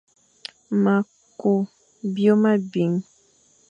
Ma kw byôm abi.